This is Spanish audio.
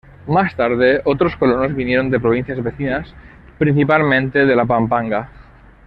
Más tarde, otros colonos vinieron de provincias vecinas principalmente de La Pampanga.